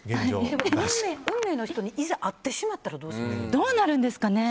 運命の人にいざ会ってしまったらどうなるんですかね。